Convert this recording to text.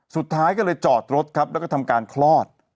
สุดท้ายก็เลยจอดรถครับแล้วก็ทำการคลอด